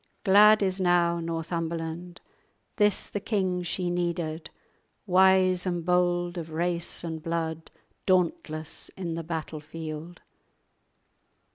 Glad is now Northumberland, This the king she needed, Wise and bold of race and blood, Dauntless in the battle field!"